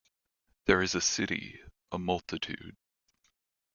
There is a city, a multitude.